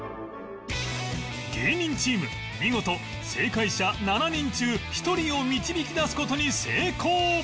芸人チーム見事正解者７人中１人を導き出す事に成功！